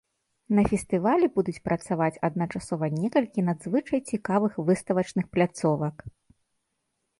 На фестывалі будуць працаваць адначасова некалькі надзвычай цікавых выставачных пляцовак.